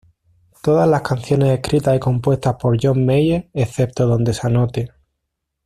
Todas las canciones escritas y compuestas por John Mayer, excepto donde se anote.